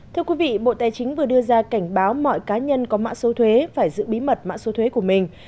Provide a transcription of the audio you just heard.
thưa quý vị bộ tài chính vừa đưa ra cảnh báo mọi cá nhân có mã số thuế phải giữ bí mật mã số thuế của mình